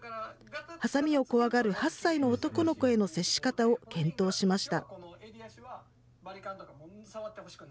はさみを怖がる８歳の男の子への接し方を検討しました。